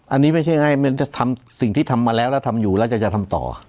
อันนี้ไม่ใช่ง่ายมันจะทำสิ่งที่ทำมาแล้วแล้วทำอยู่แล้วจะทำต่อ